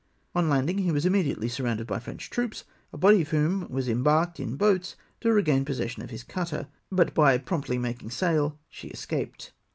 On landing he was immediately surrounded by French troops, a body of whom was embarked in boats to regain possession of his cutter, but by promptly making sail she escaped.